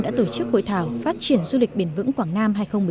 đã tổ chức hội thảo phát triển du lịch bền vững quảng nam hai nghìn một mươi chín